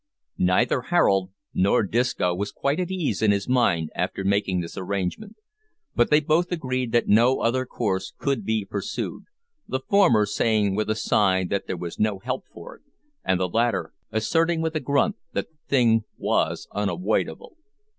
Neither Harold nor Disco was quite at ease in his mind after making this arrangement, but they both agreed that no other course could be pursued, the former saying with a sigh that there was no help for it, and the latter asserting with a grunt that the thing "wos unawoidable."